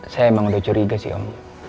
saya emang udah curiga sih om